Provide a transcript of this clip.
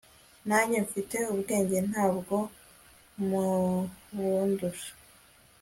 nanjye mfite ubwenge, nta bwo mubundusha